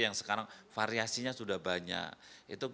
yang sekarang variasinya sudah banyak